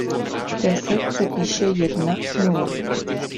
Deset se píše jedna nula.